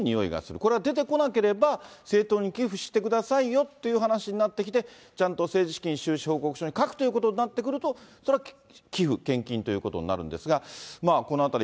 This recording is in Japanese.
これは出てこなければ、政党に寄付してくださいよという話になってきて、ちゃんと政治資金収支報告書に書くということになってくると、それは寄付、献金ということになるんですが、このあたり